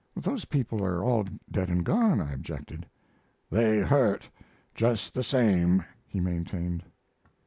"Those people are all dead and gone," I objected. "They hurt just the same," he maintained.